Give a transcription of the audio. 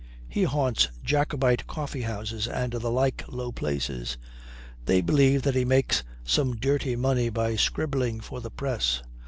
He haunts Jacobite coffeehouses and the like low places. They believe that he makes some dirty money by scribbling for the Press.